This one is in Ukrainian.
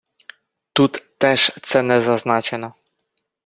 Тут теж це не зазначено.